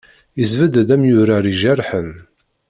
Yesbedd-d amyurar ijerḥen.